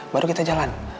baru kita jalan